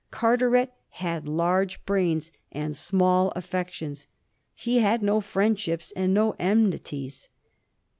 Carteret had large brains and small affections ; he had no friendships and no enmities.